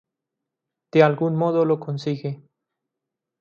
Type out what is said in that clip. De algún modo lo consigue.